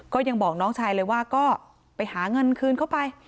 ก็ยังบอกน้องชายเลยว่าก็ไปหาเงินคืนเข้าไป